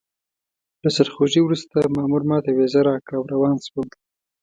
له سرخوږي وروسته مامور ماته ویزه راکړه او روان شوم.